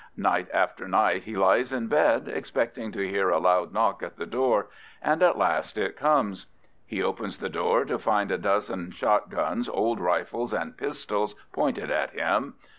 Night after night he lies in bed expecting to hear a loud knock at the door, and at last it comes. He opens the door to find a dozen shot guns, old rifles, and pistols pointed at him.